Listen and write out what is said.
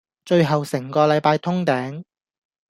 最後成個禮拜通頂